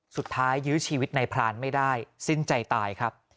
สุดท้ายยื้อชีวิตในพรานไม่ได้สิ้นใจตายครับ